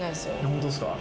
ホントですか？